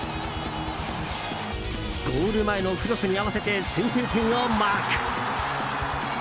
ゴール前のクロスに合わせて先制点をマーク。